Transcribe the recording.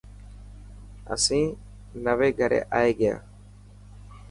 اسين نئوي گھري آئي گيا.